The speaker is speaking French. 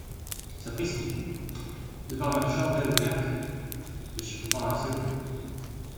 Sapristi, de par ma chandelle verte, je suis pourtant assez gros.